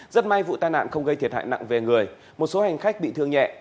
rất may vụ tai nạn không gây thiệt hại nặng về người một số hành khách bị thương nhẹ